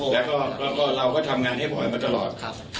เราก็ทำงานให้บ่อยมาตลอด